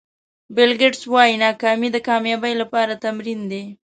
بیل ګېټس وایي ناکامي د کامیابۍ لپاره تمرین دی.